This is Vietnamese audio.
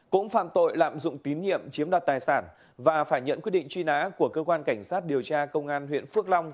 cũng phạm tội lạm dụng tín nhiệm chiếm đoạt tài sản và phải nhận quyết định truy nã của cơ quan cảnh sát điều tra công an huyện phước long